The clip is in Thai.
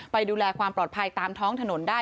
ไปดูแลความปลอดภัยตามท้องถนนได้